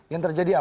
yang terjadi apa